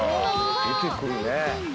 出てくるね。